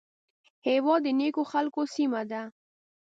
هېواد د نیکو خلکو سیمه ده